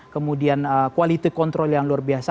kemudian quality control yang luar biasa